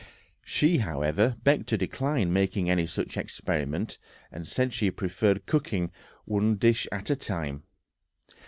She, however, begged to decline making any such experiment, and said she preferred cooking one dish at a time.